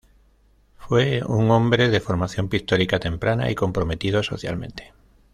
Fue un hombre de formación pictórica temprana y comprometido socialmente.